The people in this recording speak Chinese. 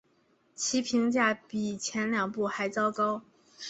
其评价比前两部还糟糕。